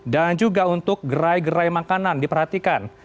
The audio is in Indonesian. dan juga untuk gerai gerai makanan diperhatikan